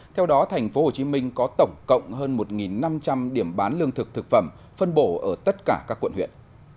theo đó tp hcm có tổng cộng hơn một năm trăm linh điểm bán lương thực thực phẩm phân bổ ở tất cả các quận huyện